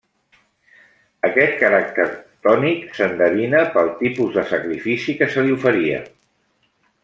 Aquest caràcter ctònic s'endevina pel tipus de sacrifici que se li oferia.